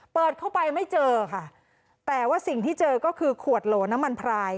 เปิดเข้าไปไม่เจอค่ะแต่ว่าสิ่งที่เจอก็คือขวดโหลน้ำมันพราย